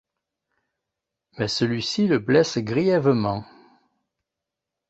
Mais celui-ci le blesse grièvement.